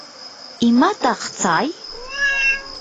¿imataq tsay?